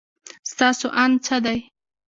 ستاسو اند څه دی؟